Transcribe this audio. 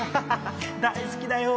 大好きだよ